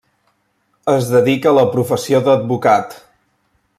Es dedica a la professió d'advocat.